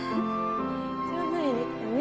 上手にできたね。